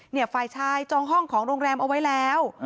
ฝ่ายชายจองห้องของโรงแรมเอาไว้แล้ว